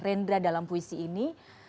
rendra dalam puisi ini